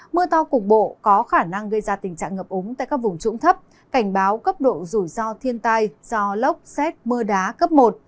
mưa to cục bộ có khả năng gây ra tình trạng ngập ống tại các vùng trũng thấp cảnh báo cấp độ rủi ro thiên tai do lốc xét mưa đá cấp một